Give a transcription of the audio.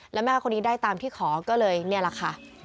แล้วแม่คนนี้ได้ตามที่ขอก็เลยนี่แหละค่ะ